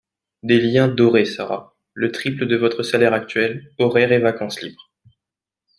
Des liens dorés Sara. Le triple de votre salaire actuel, horaires et vacances libres